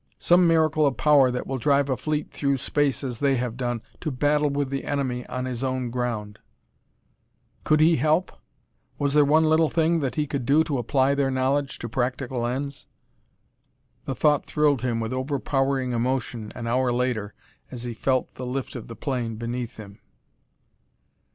"Some miracle of power that will drive a fleet through space as they have done, to battle with the enemy on his own ground " Could he help? Was there one little thing that he could do to apply their knowledge to practical ends? The thought thrilled him with overpowering emotion an hour later as he felt the lift of the plane beneath him.